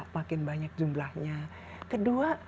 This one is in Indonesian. makin banyak jumlahnya kedua